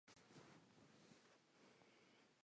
Pero la ley impedía que Isabel, una noble, fuese procesada.